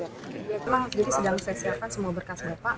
jadi sedang saya siapkan semua berkas bapak